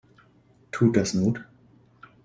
Tut das not?